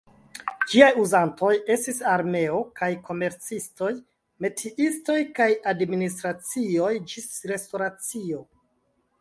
Ĝiaj uzantoj estis armeo kaj komercistoj, metiistoj kaj administracioj ĝis restoracio.